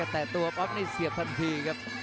แต่ตัวป๊อปนี่สียับทันที